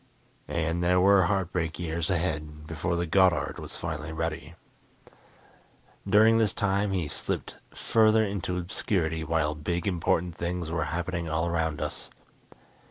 And there were heartbreak years ahead before the Goddard was finally ready. During this time he slipped further into obscurity while big, important things were happening all around us.